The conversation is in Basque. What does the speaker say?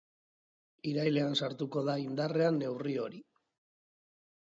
Irailean sartuko da indarrean neurri hori.